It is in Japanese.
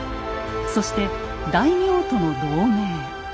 そして大名との同盟。